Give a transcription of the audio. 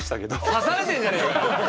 刺されてるじゃねえかよ！